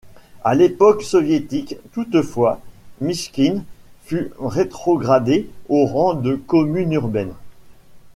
À l'époque soviétique, toutefois, Mychkine fut rétrogradée au rang de commune urbaine.